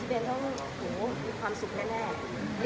พี่เบนต้องมีความสุขแน่เรียกเราไปได้เลย